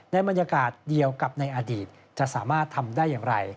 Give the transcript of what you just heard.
บรรยากาศเดียวกับในอดีตจะสามารถทำได้อย่างไร